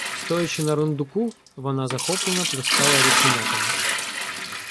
Стоячи на рундуку, вона захоплено плескала рученятами.